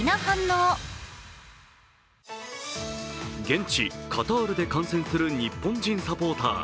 現地カタールで観戦する日本人サポーター。